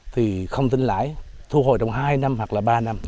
thì không tính lãi thu hồi trong hai năm hoặc là ba năm